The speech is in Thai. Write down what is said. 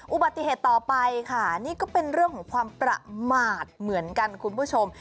อุบัติเหตุต่อไปค่ะนี่ก็เป็นเรื่องของความประมาทเหมือนกันคุณผู้ชม